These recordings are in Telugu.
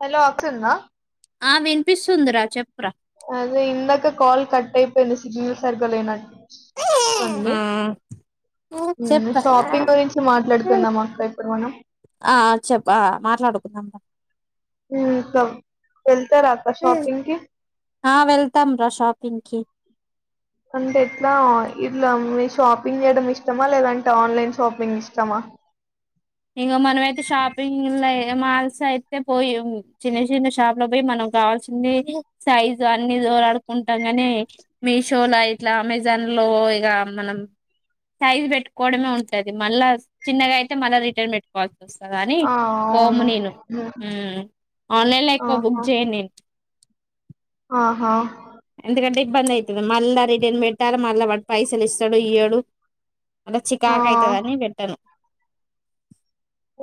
హలో అకిల్ నా ఆ వినిపిస్తుంది రా చెప్రా అదే ఇందాక కాల్ కట్ అయిపోయింది సిగ్నల్ సరిగ్గా లేనట్ ఉంది హుమ్ షాపింగ్ గురించి మాట్లాడుకుందాం అక్క ఇప్పుడు మనం ఆ చెప్ఆ మాట్లాడుకుందాం మీ అక్క హెల్ ఆ వెళ్తాం రా షాపింగ్ కి అంటే ఎట్లా ఇట్లా మీర్ షాపింగ్ చేయడం ఇష్టమా లేదంటే ఆన్లైన్ షాపింగ్ ఇష్టమా. ఎ మాల్స్ అయితే పోయి మ్మ్ చిన్న చిన్న షాప్ లో బోయి మనం కావాల్సింది సైజు అన్ని జోలాడుకుంటాం గాని, మీషో లో ఇట్లా, అమెజాన్ లో ఇగ మనం సైజ్ పెట్టుకోవడమే ఉంటది మళ్ళా చిన్నగా అయితే మళ్ళా రి, టెర్మినెట్ కాల్ వస్తా గాని ఆ పోమ్ అవును నేను ఉమ్, ఆన్లైన్ లో ఎక్కువ బుక్ ఆహా చేయన్ నేను, ఆహా ఎందుకంటే ఇబ్బంది ఐతది, మళ్ళా రిటర్న్ పెట్టాలా మళ్ళ వా పైసలు ఇస్తాడో ఇయడు మల్ల ఆ చికాక్ ఐతది అని పెట్టను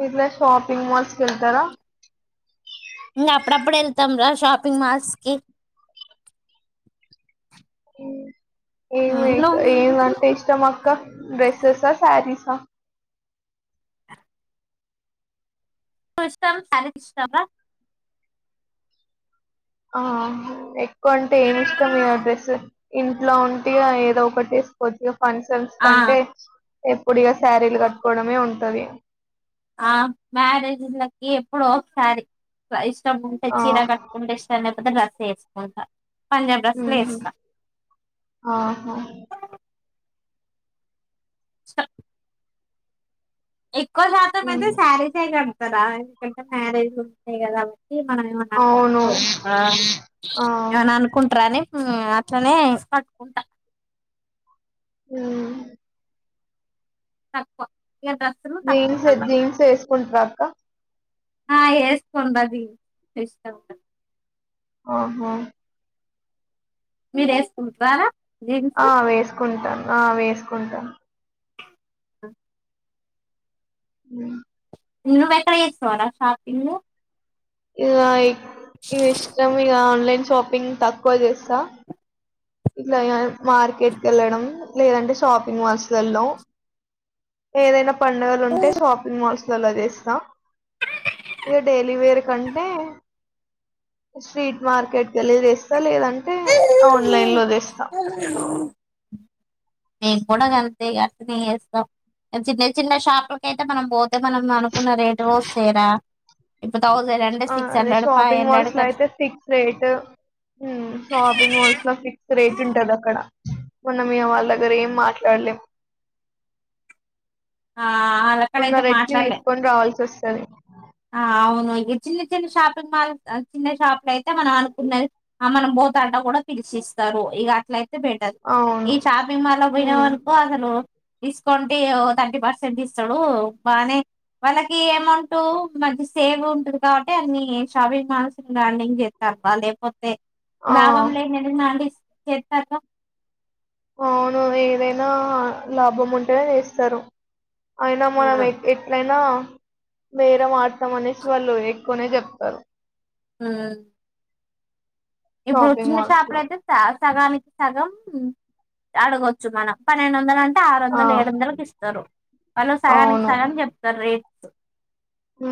ఇట్లా షాపింగ్ మాల్స్ ఎళ్తారా మ్ ప్పుడప్పుడు ఎల్ తమ్రా షాపింగ్ మాల్స్ కి ఏమి నువ్వు ఏ ఏం టే ఇష్టం అక్క డ్రెసెస్ ఆ సారిస్ ఆ కొస్తాం సాల ఇష్టవా ఆ కొంటే ఏమి ఇష్టం ఈ అ డ్రెస్స్ ఇంట్లో ఉంటిగా ఏదో ఒకటి చేసుకోచ్చు కన్సల్స్ ఆ కంటే పొడిగా శారీలు కట్టుకోవడమే ఉంటది ఆ మ్యారేజీలకి ఎప్పుడ ఒకసారి ఇ ఇష్టముంటే ఆ చీర కట్టుకోవడం ఇష్టం లేదా డ్రెస్ వేసుకుంటా పంజాబ్ డ్రెస్లు మ్ హు వేస్తా అహో స ఎక్కువ శాతం అయితే ఉమ్ శారీ సగ సరిసే కడతా ఎందుకంటే మ్యారేజ్ కదా మల్ల అవును ఏమ ఆ ఏమనా అనుకుంటార అని అట్లనే కట్టుకుంటా హమ్ తక్కువ ఇక డ్రస్సులు తక్కువ జీన్స్ అలా జీన్స్ వేసుకుంటార అక్క ఆ వేసుకుంటండి ఇష్ట హా హా మీర వేసుకుంట్రై ఆ వేసుకుంటాను ఆ వేసుకుంటాం ఆ ఉ నువ్వెక్కడ చేస్తావ్ రా షాపింగ్ ఇగ ఇగ ఇష్టం ఇగాఆన్లైన్ షాపింగ్ తక్కువ చేస్తా. ఇట్ల ఇగ మార్కెట్ వెళ్ళడం లేదంటే షాపింగ్ మాల్స్ లో ఏదైనా. పండుగలు ఉంటే షాపింగ్ మాల్స్. లలో చేస్తా ఇగ డైలీ వేర్ కంటే స్ట్రీట్ మార్కెట్ కేలీ చేస్తా లేదంటే అవు. ఆన్లైన్ లో చేస్తా. మేము కూడా గంతే ఇగ అట్లనే చేస్తాం ఎం చిన్న చిన్న షాపులాకు అయితే మనం పోం. ఇప్పుడు థౌజండ్ అంటే ఆ సిక్స్ అదే hundred five shopping hundred malls లో కట్ అయితే ఫిక్స్ రేట్ షాపింగ్ మాల్స్ లో ఫిక్స్ రేట్ ఉంటాది అక్కడ. మొన్న మేము వాళ్ళ దగ్గర ఏం మాట్లాడలేం. ఆ ఆళ్ళ ఉన్న కాడయితే రేట్ కి మాట్లాడలే తీసుకొని రావాల్సి వస్తది ఆహా అవును ఇగ చిన్న చి చిన్న షాపింగ్ మాల్ ఆ చిన్న షాప్లు అయితే మనం అనుకున్నది మనం పోతాంట కూడా పిలిచిస్తరు ఇగ అట్లయి పెట్టదు ఈ అవును షాపింగ్ మాల్ ల పోయిన ఉమ్ మనుకో అసలు. తీసుకంటే థర్టీ పర్సెంట్ ఇస్తడు బాగానే వాళ్ళకి అమౌంట్ మంచి సేవ్ ఉంటుంది కాబట్టి అన్ని షాపింగ్ మాల్స్ బ్రాండింగ్ చేస్తారు బా లేకపోతే తే ఆ లాభం లేనిది ఎందుకు నాడి చేతక్క అవును ఏదైనా లాభం ఉంటేనే చేస్తారు అయినా ఆ, మనం ఎ ఎట్లయినా బేరం ఆడ్తాం అనేసి వాళ్ళు ఎక్కువనే చెప్తరు హ ఇప్పుడు షాపింగ్ చిన్న మాల్స్ లో షాపులైతే త సగానికి సగం అడగొచ్చు మనం పన్నెండు వందల అం టె ఆరు ఆ వందలు ఏడు వందలకి ఇస్తారు వాళ్ళు సగానికి సగం చెప్తరు రేట్ ఉ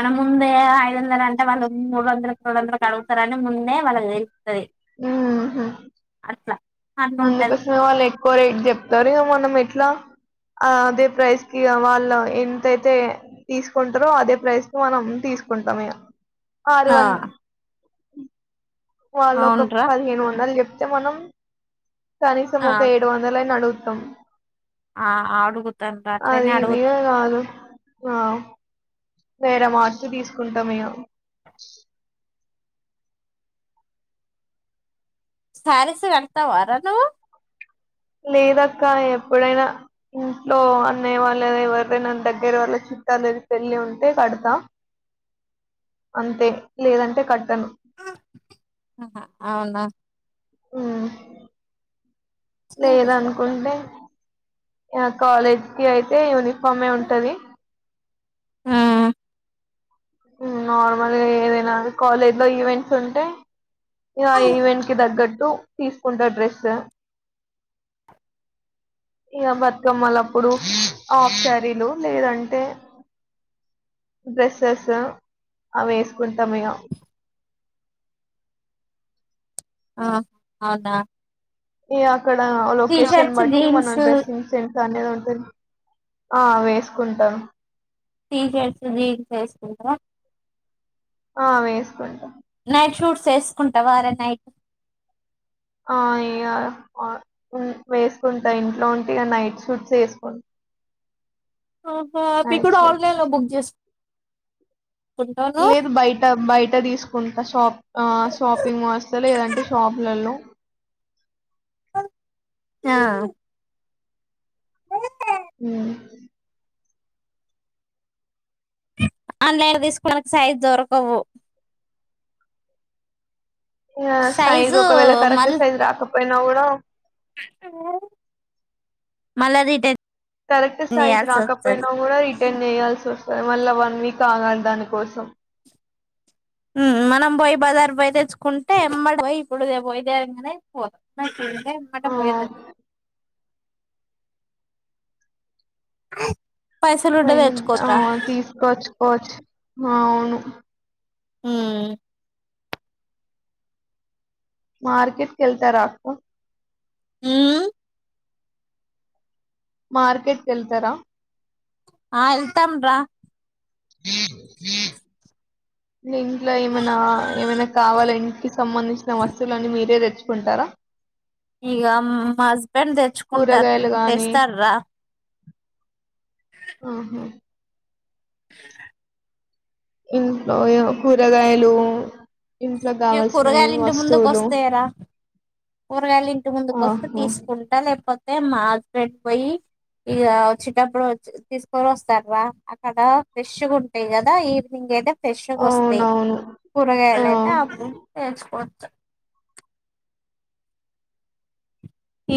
మన ముందే ఐదు వందల అంటే వాళ్ళు మూడు వందలు రెండు వందలు కడుగుతారని ముం దే వాళ్ళకు తే లుస్తది ఉహు అట్లా అట్లుంటది అందుకోసమే వాళ్ళు ఎక్కువ రేట్ చెప్తారు ఇగ మనం ఎట్లా ఆ అదే ప్రైస్ కి వాళ్ళు ఎంతైతే తీసుకుంటారో అదే ప్రైస్ కి మనం తీసుకుంటాము ఇగ ఆరు ఆ వన్ వాళ్ళు ఒక అవునురా పదిహేను వందలు చె అతే మనం కనీసం ఆ ఒక ఏడు వందల అయినా అడుగుతాము కుత్తం ఆ అడుగుత అట్లనే అడుగుతా అ వేరే మార్చి తీసుకుంటాము ఇగ శారీస్ కడతావారా నువ్వు లేదక్క ఎప్పుడైనా ఇంట్లో అన్నయ్య వాళ్ళది ఎవరిదైనా దగ్గర వాళ్ళ చుట్టాల్దీ పెళ్లి ఉంటే కడతా అంతే లేదంటే కట్టను ఆహ అవునా ఊ లేదనుకుంటే ఇగ కాలేజ్ కి అయితే యూనిఫాం మమ్మీ ఉంటది హా నార్మల్ గా ఏదైనా కాలేజ్ లో ఈవెంట్స్ ఉంటే ఇగ ఈవెంట్ కి దగ్గట్టు టూ తీసుకుంటా డ్రెస్ ఇక బతుకమ్మలప్పుడు హాఫ్ శారీలు లేదంటే డ్రెస్సెస్ అవి వేసుకుంటాం ఇగ ఆ అవునా ఏ అప్ ఇక్కడ టీ లొకేషన్ షర్ట్స్ బట్టి మనం జీన్స్ డ్రెస్సింగ్ సెంట్ సన్నది ఉంటుంది ఆ వేసుకుంటాను టీచర్స్ ది వేసుకుంట్ర ఆ వేసుకుంటాం నైట్ షూట్స్ వేసుకుంటావార నైట్ ఆ ఇగ ఆ ఉ వేసుకుంటా ఇంట్లో ఉంటే ఇగ నైట్ సూట్స్ వేసుకు ఆహా అవి కూడా ఆన్లైన్ లో బుక్ చేసుకుంటావా లేదు బయట బయట తీసుకుంటా షాప్ షాపింగ్ వస్తే లేదంటే షాపులలో ఆ హ ఆన్లైన్ తీసుకోడానికి సైజ్ దొరకవు ఆ సైజ్ సైజు ఒకవేళ కరెక్ట్ సైజ్ రాక పోయినకూడ మల్ల రిటర్న్ కరెక్ట్ సైజ్ చేయాల్సి వస్తది రాకపోయినా కూడా రిటర్న్ చేయయాల్సి వ మల్ల వన్ వీక్ ఆగాలి దాని కోసం మనం పోయి బజార్ పోయి తెచ్చుకుంటే ఎమ్మటి పోయి ఇప్పుడుదే పోయదేంగానే పో దే అట్ట ఆ పోయిద్దాం అ పోడ్ ఆ తీసుకోచ్చుకోచ్చ ఆ ను ఉహ్ మార్కెట్ కెల్త రాక్క ఉహ్ మార్కెట్కి ఎళ్తారా ఆహ్ ఎల్తంమ్రా హ ఇంట్లో ఏమైనా ఏమైనా కావాలా ఇంటికి సంబంధించిన. వస్తువులున్నీ మీరే తేస్ కుంటారా ఇగా మా హస్బెండ్ తెచ్చుకుంటారు. తెస్తార్రా ఆహ్ హా [unintelligible] ఇంట్లో ఏవో కూరగాయలు ఇంట్లో ఏగ్ కావాల్సినవి కూరగాయలు ఇంటి వస్తువులు ముందుకోస్తాయ్. రా కూరగాయలు ఇంటి ముందుకు వస్తే ఆహా తీసుకుంటా. లేక్ కపోతే మా హస్బెండ్ పోయి. ఇగా వచ్చేటప్పుడు తీసుకొని వస్తాడ్ర అక్కడ ఫ్రెష్ గుంటాయి. కదా ఈవినింగ్ అయితే ఫెష్గా వస్తాయి. అవునవును ఆ కూరగాయలు అయితే అప్పుడు తెచ్చుకున్ చ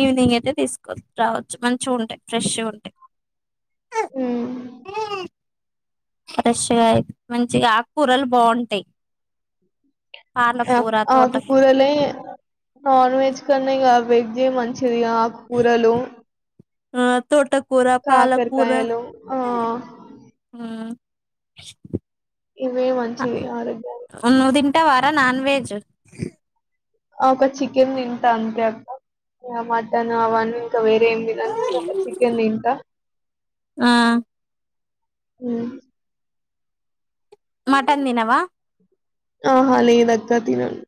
ఈవినింగ్ అయితే తీసుకో రావచ్చు. మంచిగా ఉంటాయి, ఫ్రెష్గా ఉంటాయి. ఉహ్ ఫ్రెష్ గా మంచిగా ఆక్కూరలు బావుంటాయి. ఆ ఆకు కూరలే నన్ వెజ్ కన్నిగా వెజ్జే మంచ్ గా ఆకుకూరలు ఆహ్ తోటకూర, పాలకూర కాకరకాయలు ఆ ఆహ్ ఆ ఇవే మంచివి ఆరోగ్యానికి ట్ట వార నాన్ వెజ్ ఒక చికెన్ తింటా అంతే అక్క. మటన్ అవని ఇంకా వేరే ఏం తినను కానీ ఒక్క చికెన్ తింటా. ఆ ఉహ్మ్ మటన్ దినవా ఆహా లేదక్క తినను.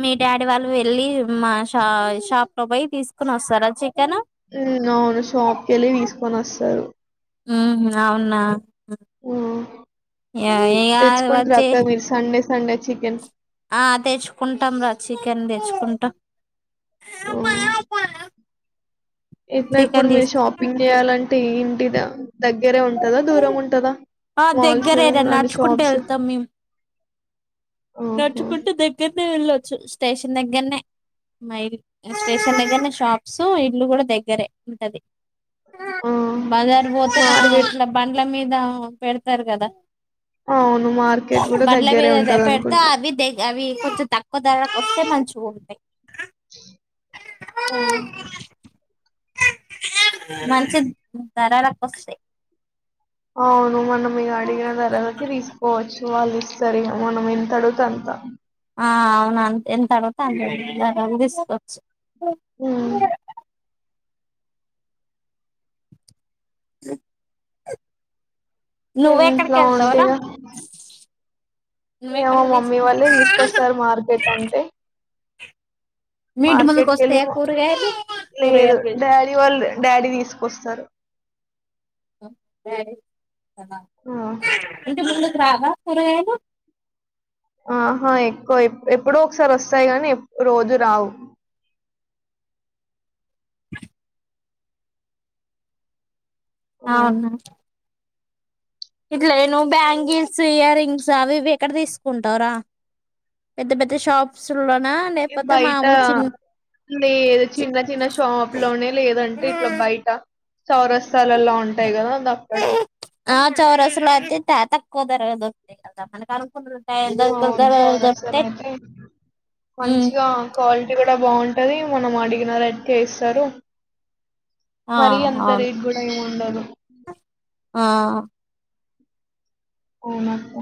మీ డాడీ వాళ్ళు వెళ్ళి. మా షా షాప్ లో పోయి తీసుకుని వస్తారా చికెన్. ఉహ్ అవును షాప్కి వెళ్ళి తీసుకొని వస్తారు. ఆహ్ అవునా ఆ ఏ ఏకాదు తెచ్చుకుంటారు వచ్చి అక్క మీరు సండే సండే చికెన్ ఆ తెచ్చుకుంటాం రా చికెన్ తెచ్చుకుంటా ఓ ఇట్లా ఇప్పుడు చికెన్ మీరు తీసుకు షాపింగ్ చేయాలంటే తంటిద దగ్గరే ఉంటదా దూరం ఉంటదా ఆ మాల్స్ దగ్గరేనా అండ్ నడుచుకుంటూ షాప్స్ వెళ్తాం మేము ఆహా నట్టుకుంటే దగ్గరనే వెళ్ళదు స్టేషన్ దగ్గరనే మ స్టేషన్ దగ్గరనే షాప్స్ ఇల్లు కూడా దగ్గరే ఉంటది ఆ బజారు పోతే మార్కెట్ ఇలా బండ్ల మీద దా పెడతారు కదా అవును మార్కెట్ కూడా బండ్ల దగ్గరే మీద ఉంటది అనుకు పెడితే అవి దగ అవి కొంచెం తక్కువ ధరకు వస్తే మంచి ఉంటాయి ఆ మంచి దారార పస్తే అవును మొన్న అడి ధర తీసుకోవచ్చు వాళ్ళు ఇస్తాఇగా మనం ఎంత అడుగుతే అంత ఆ అవునుంతే ఎంత తర్వాత అంత తీసుకోవచ్చు హమ్ ఇ ఇంట్లా ఉంటాగా ఏమో నువ్వెక్కడికి మమ్మీ తీసుకు వాళ్ళే తీసుకొస్తారు మార్కెట్ అంటే మీ ఇంటి ముందుకు మార్కెట్ వస్తాయా వెెళ్ళిము కూరగాయలు లేదు కూరగాయలు డాడీ వాళ్ళు డాడీ తీసుకొస్తారు డాడీ ఆ. ఇంటి ముందర్ రావా కూరగాయలు ఆహా ఎక్కువ ఎప్పు ఎప్పుడో ఒకసారి వస్తాయి గానీ రోజు రావు ఆ. అవునా ఇట్లాను బ్యాంగిల్స్ ఇయ రింగ్స్ అవి ఇవి ఎక్కడ తీసుకుంటార పెద్ద పెద్ద షాప్స్ లోనా లేకపోతే బయట మామూలు చిన్న లే చిన్న చిన్న షాప్ లోనే లేదంటే ఇట్లా బయట సరసాలలా ఉంటాయి కదా ద అక్కడ ద ద మ అవును చౌరస్తా లో అయితే మంచిగా క్వాలి కూడా బాగుంటది. మనం అడిగిన రేట్ కే ఇస్తారు. ఆ మరీ అంత అవును రేటు గుడా ఏం ఉండదు. ఆ అవునక్క